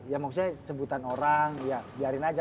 ya maksudnya sebutan orang ya biarin aja